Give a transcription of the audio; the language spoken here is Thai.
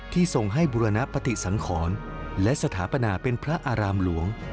ทรงให้บุรณปฏิสังขรและสถาปนาเป็นพระอารามหลวง